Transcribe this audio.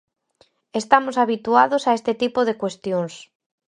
Estamos habituados a este tipo de cuestións.